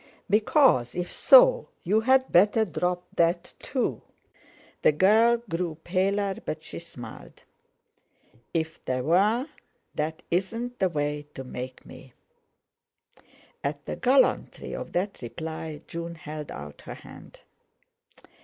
Because, if so, you'd better drop that too." The girl grew paler, but she smiled. "If there were, that isn't the way to make me." At the gallantry of that reply, June held out her hand.